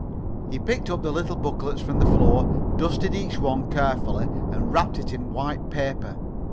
He picked up the little booklets from the floor, dusted each one carefully, and wrapped it in white paper.